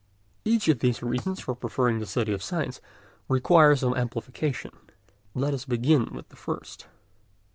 Each of these reasons for preferring the study of science requires some amplification. Let us begin with the first.